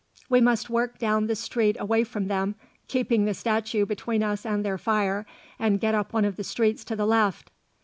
"We must work down the street away from them, keeping the statue between us and their fire, and get up one of the streets to the left."